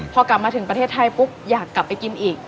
พอกลับมาถึงประเทศไทยปุ๊บอยากกลับไปกินอีก